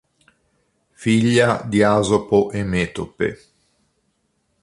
Figlia di Asopo e Metope.